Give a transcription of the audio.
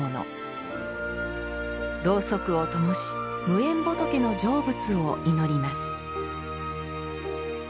ろうそくをともし無縁仏の成仏を祈ります。